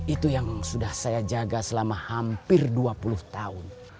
itu yang sudah saya jaga selama hampir dua puluh tahun